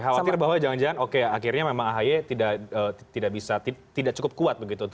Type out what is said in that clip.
khawatir bahwa jangan jangan oke akhirnya memang ahy tidak bisa tidak cukup kuat begitu